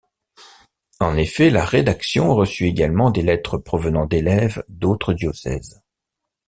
En effet, la rédaction reçut également des lettres provenant d’élèves d’autres diocèses.